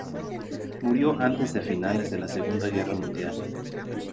Murió antes de finales de la Segunda Guerra Mundial.